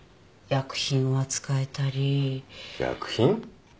薬品？